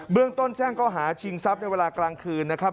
เรื่องต้นแจ้งก็หาชิงทรัพย์ในเวลากลางคืนนะครับ